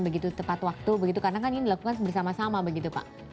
begitu tepat waktu begitu karena kan ini dilakukan bersama sama begitu pak